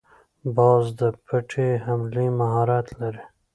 باز د پټې حملې مهارت لري